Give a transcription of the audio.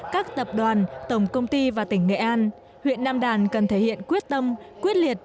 các tập đoàn tổng công ty và tỉnh nghệ an huyện nam đàn cần thể hiện quyết tâm quyết liệt